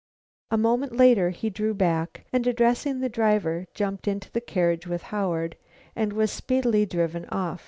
A moment later he drew back, and addressing the driver, jumped into the carriage with Howard, and was speedily driven off.